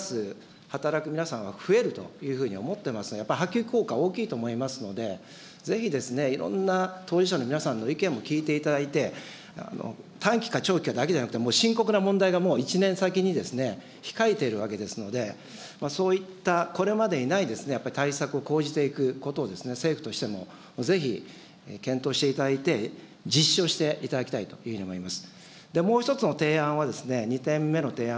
事業者の皆さんから見ても、ドライバー不足って深刻な状況になってますので、やはり国からこうした手厚い支援があったほうがですね、やっぱりドライバーを目指す働く皆さんは増えるというふうに思っていますから、やっぱり波及効果、大きいと思いますので、ぜひいろんな当事者の皆さんの意見も聞いていただいて、短期か長期かだけじゃなくて、もう深刻な問題が、もう１年先に控えているわけですので、そういったこれまでにないやっぱり対策を講じていくことを政府としてもぜひ、検討していただいて、実施をしていただきたいというふうに思います。